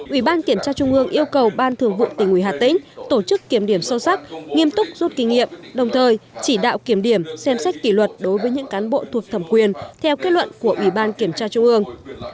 ủy ban kiểm tra trung ương yêu cầu ban thường vụ tỉnh ủy hà tĩnh tổ chức kiểm điểm sâu sắc nghiêm túc rút kinh nghiệm đồng thời chỉ đạo kiểm điểm xem xét kỷ luật đối với những cán bộ thuộc thẩm quyền theo kết luận của ủy ban kiểm tra trung ương